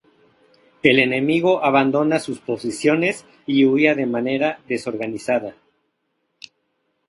El enemigo abandonaba sus posiciones y huía de manera desorganizada.